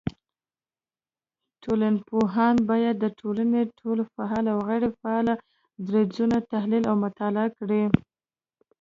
ټولنپوهان بايد د ټولني ټول فعال او غيري فعاله درځونه تحليل او مطالعه کړي